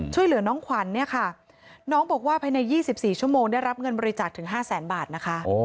ช่วยเหลือน้องขวัญเนี่ยค่ะน้องบอกว่าภายใน๒๔ชั่วโมงได้รับเงินบริจาคถึง๕แสนบาทนะคะ